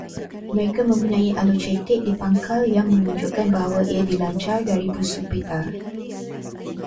Mereka mempunyai alur cetek di pangkal, yang menunjukkan bahawa ia dilancar dari busur pita